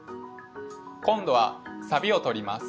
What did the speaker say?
今度はサビを取ります。